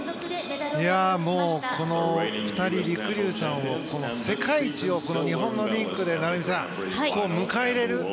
もうこの２人りくりゅうさんは世界一を日本のリンクで迎えられる。